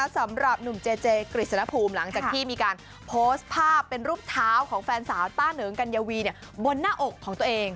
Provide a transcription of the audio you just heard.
สำหรับหนุ่มเจเจกฤษณภูมิหลังจากที่มีการโพสต์ภาพเป็นรูปเท้าของแฟนสาวต้าเหนิงกัญญาวีบนหน้าอกของตัวเอง